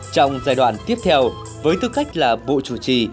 trong giai đoạn tiếp theo với tư cách là bộ chủ trì